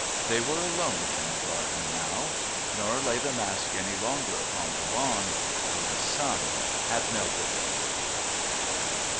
They were alone in the garden now. Nor lay the mask any longer upon the lawn, for the sun had melted it.